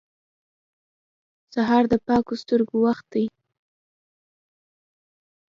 سهار د پاکو سترګو وخت دی.